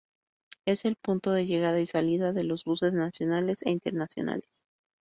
Es el punto de llegada y salida de los buses nacionales e internacionales.